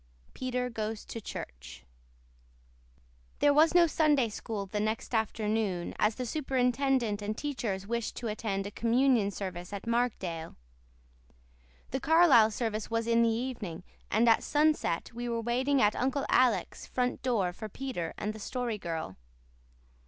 PETER GOES TO CHURCH There was no Sunday School the next afternoon, as superintendent and teachers wished to attend a communion service at Markdale. The Carlisle service was in the evening, and at sunset we were waiting at Uncle Alec's front door for Peter and the Story Girl.